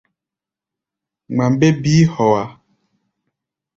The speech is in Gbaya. Ŋma mbé bíí hɔá.